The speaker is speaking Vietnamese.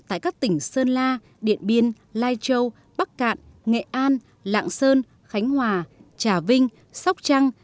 tại các tỉnh sơn la điện biên lai châu bắc cạn nghệ an lạng sơn khánh hòa trà vinh sóc trăng